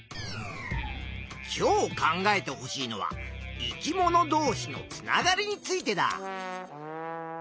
今日考えてほしいのは「生き物どうしのつながり」についてだ。